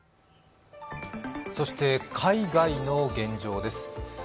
そして、海外の現状です。